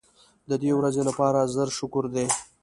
د دې ورځې لپاره زر شکر دی.